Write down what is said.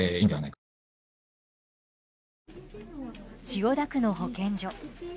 千代田区の保健所。